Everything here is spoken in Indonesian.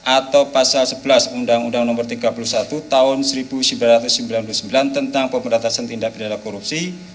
atau pasal sebelas undang undang nomor tiga puluh satu tahun seribu sembilan ratus sembilan puluh sembilan tentang pemberantasan tindak pidana korupsi